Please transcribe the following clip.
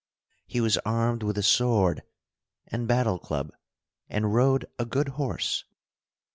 He was armed with a sword and battle club, and rode a good horse.